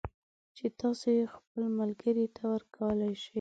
چې تاسو یې خپل ملگري ته ورکولای شئ